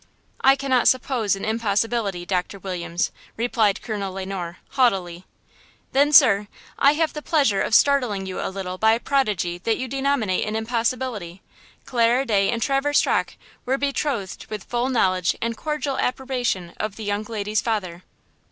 "I cannot suppose an impossibility, Doctor Williams," replied Colonel Le Noir, haughtily. "Then, sir, I have the pleasure of startling you a little by a prodigy that you denominate an impossibility! Clara Day and Traverse Rocke were betrothed with full knowledge and cordial approbation of the young lady's father."